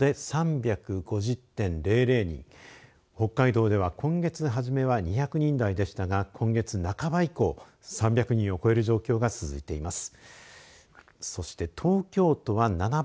北海道では今月初めは２００人台でしたが今月半ば以降、３００人を超える状況が続いています。